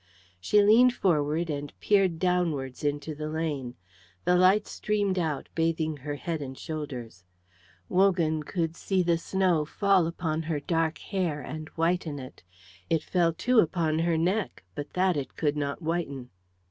She leaned forward and peered downwards into the lane. The light streamed out, bathing her head and shoulders. Wogan could see the snow fall upon her dark hair and whiten it; it fell, too, upon her neck, but that it could not whiten.